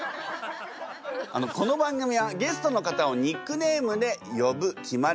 この番組はゲストの方をニックネームで呼ぶ決まりになっています。